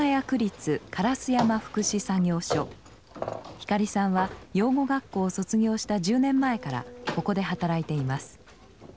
光さんは養護学校を卒業した１０年前からここで働いています。